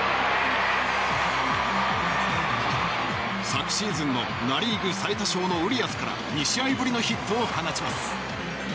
昨シーズンのナ・リーグ最多勝のウリアスから２試合ぶりのヒットを放ちます。